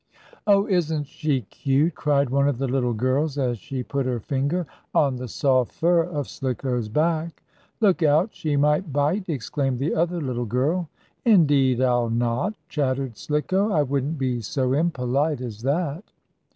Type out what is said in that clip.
"Oh, isn't she cute!" cried one of the little girls, as she put her finger on the soft fur of Slicko's back. "Look out, she might bite!" exclaimed the other little girl. "Indeed I'll not!" chattered Slicko. "I wouldn't be so impolite as that."